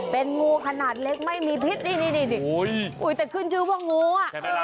เป็นงูขนาดเล็กไม่มีพิษนี่แต่ขึ้นชื่อว่างูอ่ะ